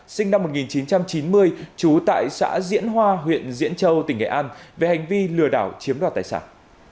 sinh năm một nghìn chín trăm chín mươi trú tại xã diễn hoa huyện diễn châu tỉnh nghệ an về hành vi lừa đảo chiếm đoạt tài sản